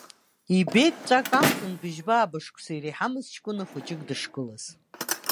Ибеит ҵәак амҵан быжьба-ааба шықәса иреиҳамыз ҷкәына хәыҷык дышгылаз.